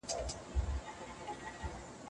نه رابیا نه فتح خان سته نه برېتونه په شپېلۍ کي